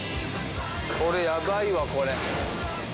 これヤバいわこれ。